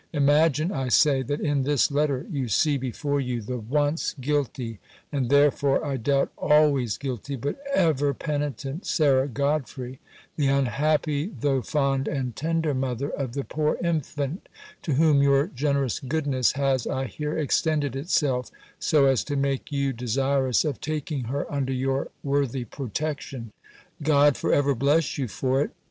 Imagine, I say, that in this letter, you see before you the once guilty, and therefore, I doubt, always guilty, but ever penitent, Sarah Godfrey; the unhappy, though fond and tender mother of the poor infant, to whom your generous goodness has, I hear, extended itself, so as to make you desirous of taking her under your worthy protection: God for ever bless you for it!